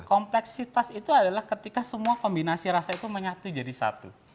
kompleksitas itu adalah ketika semua kombinasi rasa itu menyatu jadi satu